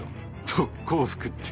特攻服って